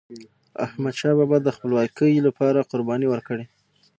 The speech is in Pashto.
احمدشاه بابا د خپلواکی لپاره قرباني ورکړې.